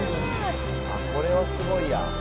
これはすごいや。